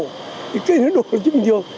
thì cây nó đổ chừng nhiều